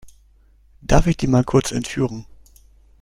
Darf ich den mal kurz entführen?